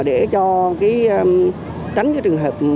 để tránh trường hợp